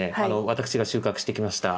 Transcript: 私が収穫してきました